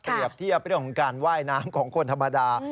เทียบเรื่องของการว่ายน้ำของคนธรรมดา